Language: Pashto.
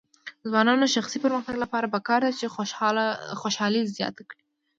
د ځوانانو د شخصي پرمختګ لپاره پکار ده چې خوشحالي زیاته کړي.